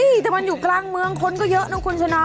นี่แต่มันอยู่กลางเมืองคนก็เยอะนะคุณชนะ